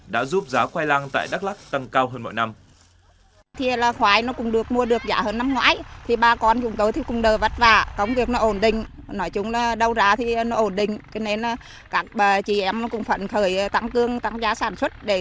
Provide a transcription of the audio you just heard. đã giúp giá khoai lang tại đắk lắk tăng cao hơn mọi năm